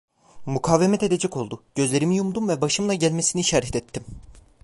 Mukavemet edecek oldu; gözlerimi yumdum ve başımla gelmesini işaret ettim.